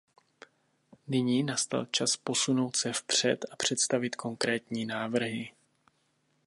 Nyní nastal čas posunout se vpřed a představit konkrétní návrhy.